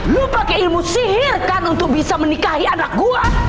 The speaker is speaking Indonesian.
lu pakai ilmu sihir kan untuk bisa menikahi anak gua